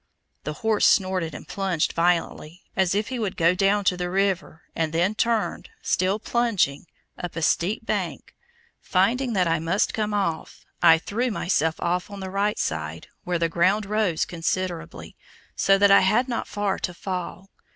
The horse snorted and plunged violently, as if he would go down to the river, and then turned, still plunging, up a steep bank, when, finding that I must come off, I threw myself off on the right side, where the ground rose considerably, so that I had not far to fall.